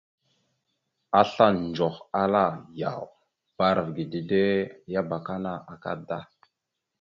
Asla ndzoh, ala: « Yaw, bbarav ge dede ya abakana akadda. ».